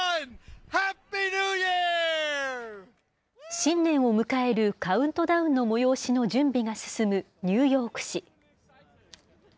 新年を迎えるカウントダウンの催しの準備が進むニューヨーク市。